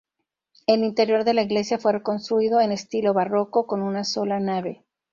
El interior de la iglesia fue reconstruido en estilo barroco con una sola nave.